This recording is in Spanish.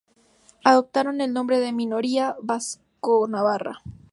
Adoptaron el nombre de "Minoría Vasco-Navarra".